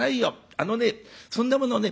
あのねそんなものね